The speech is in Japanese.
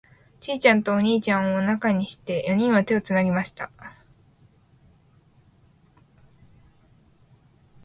ちいちゃんとお兄ちゃんを中にして、四人は手をつなぎました。